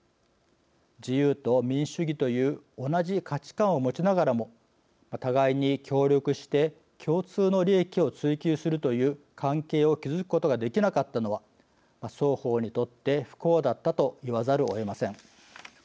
自由と民主主義という同じ価値観を持ちながらも互いに協力して共通の利益を追求するという関係を築くことができなかったのは双方にとって不幸だったと言わざるをえません。